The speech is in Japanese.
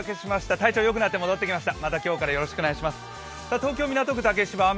体調よくなって戻ってきました。